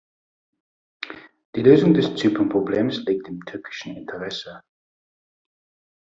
Die Lösung des Zypernproblems liegt im türkischen Interesse.